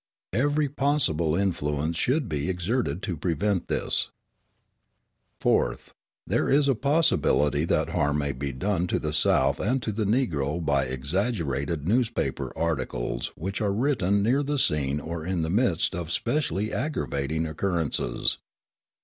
Every possible influence should be exerted to prevent this. Fourth. There is a possibility that harm may be done to the South and to the Negro by exaggerated newspaper articles which are written near the scene or in the midst of specially aggravating occurrences.